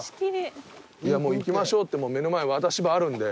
いやもう行きましょうって目の前渡し場あるんで。